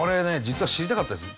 実は知りたかったです